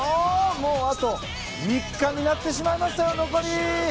もうあと３日になってしまいましたよ、残り。